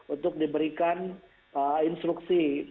untuk diberikan instruksi